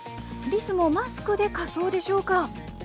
りすもマスクで仮装でしょうか。